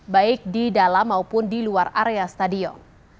baik di dalam maupun di luar area stadion